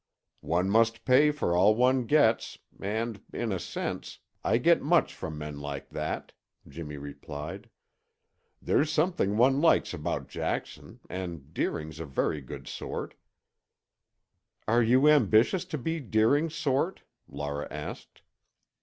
"One must pay for all one gets, and, in a sense, I get much from men like that," Jimmy replied. "There's something one likes about Jackson, and Deering's a very good sort." "Are you ambitious to be Deering's sort?" Laura asked.